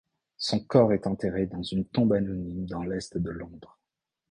Son corps est enterré dans une tombe anonyme dans l'est de Londres.